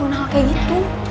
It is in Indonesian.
dia ngelakuin hal kayak gitu